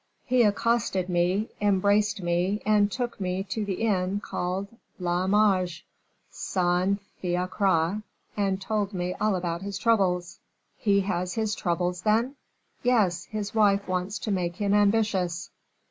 He accosted me, embraced me, and took me to the inn called L'Image Saint Fiacre, and told me all about his troubles." "He has his troubles, then?" "Yes; his wife wants to make him ambitious."